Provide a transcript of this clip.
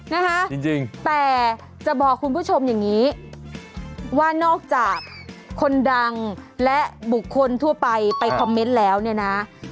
นะคะจริงแต่จะบอกคุณผู้ชมอย่างนี้ว่านอกจากคนดังและบุคคลทั่วไปไปคอมเมนต์แล้วเนี่ยนะ